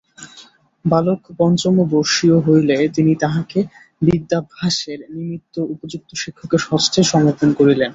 বালক পঞ্চমবর্ষীয় হইলে তিনি তাহাকে বিদ্যাভ্যাসের নিমিত্ত উপযুক্ত শিক্ষকের হস্তে সমর্পণ করিলেন।